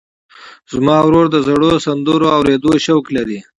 زما ورور د زړو سندرو اورېدو شوق لري.